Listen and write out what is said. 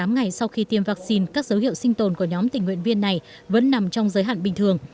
một mươi ngày sau khi tiêm vaccine các dấu hiệu sinh tồn của nhóm tình nguyện viên này vẫn nằm trong giới hạn bình thường